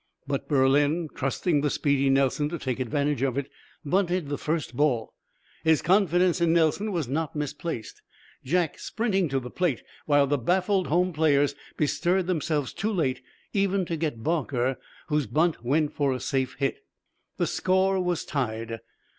But Berlin, trusting the speedy Nelson to take advantage of it, bunted the first ball. His confidence in Nelson was not misplaced, Jack sprinting to the plate, while the baffled home players bestirred themselves too late even to get Barker, whose bunt went for a safe hit. The score was tied.